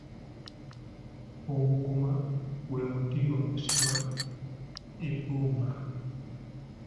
Omuguma gwe muti ogusima ebbumba.